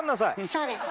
そうです。